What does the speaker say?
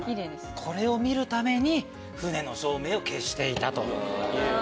これを見るために船の照明を消していたという。